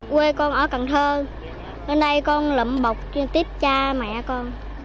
quê con ở cần thơ nên đây con lụm bọc tiếp cha mẹ con